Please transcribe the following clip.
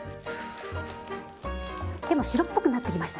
でもう白っぽくなってきましたね。